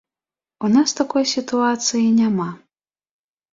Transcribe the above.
У нас такой сітуацыі няма.